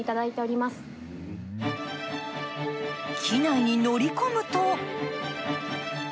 機内に乗り込むと。